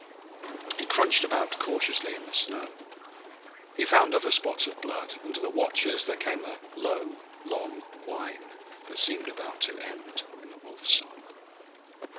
He crunched about cautiously in the snow. He found other spots of blood, and to the watchers there came a low long whine that seemed about to end in the wolf song.